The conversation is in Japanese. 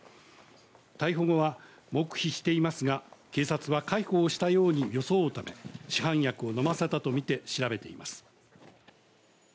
逮捕後は黙秘していますが、警察は介抱したように装うため市販薬を飲ませたとみて調べています。